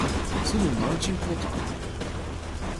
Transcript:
中國城大富豪大都會